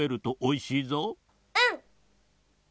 うん！